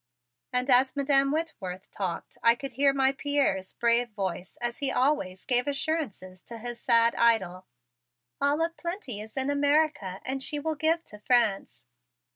And as Madam Whitworth talked I could hear my Pierre's brave voice as he always gave assurances to his sad idol. "All of plenty is in America, and she will give to France."